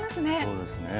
そうですね。